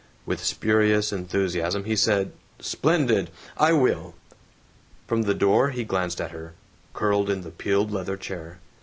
With spurious enthusiasm he said, "Splendid! I will." From the door he glanced at her, curled in the peeled leather chair.